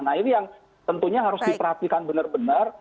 nah ini yang tentunya harus diperhatikan benar benar